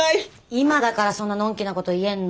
今だからそんなのんきなこと言えんの。